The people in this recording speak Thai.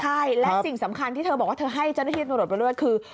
ใช่สิ่งสำคัญที่เธอให้เจ้าหน้าที่นรถบริเวศ